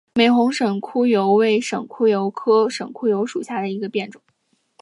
玫红省沽油为省沽油科省沽油属下的一个变种。